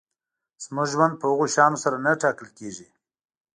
زموږ ژوند په هغو شیانو سره نه ټاکل کېږي.